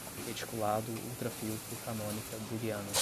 reticulado, ultrafiltro, canônica, booleana